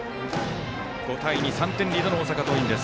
５対２、３点リードの大阪桐蔭。